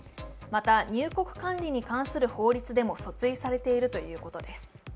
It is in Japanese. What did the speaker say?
また、入国管理に関する法律でも訴追されているということです。